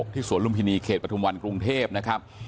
ที่สวรรค์ลุมพินีเขตประธุมวันกรูงเทพนะครับ